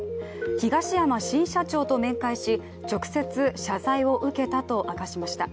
東山新社長と面会し、直接謝罪を受けたと明かしました。